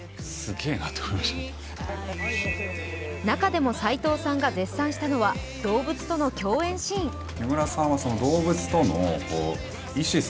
中でも斎藤さんが絶賛したのは、動物との共演シーン。